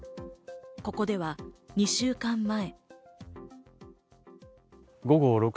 ここでは２週間前。